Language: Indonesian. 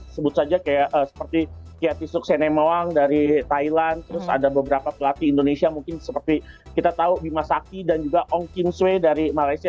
sebut saja seperti kiatisuk senemawang dari thailand terus ada beberapa pelatih indonesia mungkin seperti kita tahu bimasaki dan juga ong kim sue dari malaysia